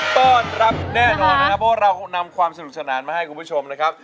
ต้อนรับแน่นอนนะครับเพราะเรานำความสนุกสนานมาให้คุณผู้ชมนะครับ